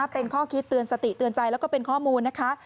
เป็นข้อคิดเตือนสติเตือนใจแล้วก็เป็นข้อมูลนะคะ